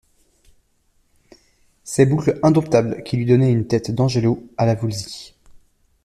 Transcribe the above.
ses boucles indomptables qui lui donnaient une tête d’angelot, à la Voulzy.